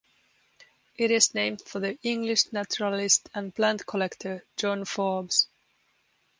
It is named for the English naturalist and plant collector John Forbes.